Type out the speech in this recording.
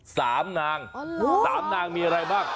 สามนางสามนางมีอะไรบ้าง